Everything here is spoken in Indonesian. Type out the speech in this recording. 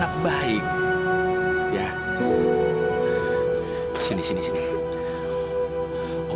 dia kan tertawa dia kaget karena hebben lifespan